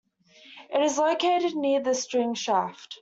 It is located near the sting shaft.